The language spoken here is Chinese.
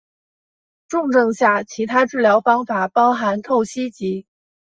重症下其他治疗方法包含透析及。